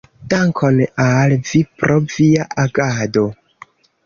Dankon al vi pro via agado!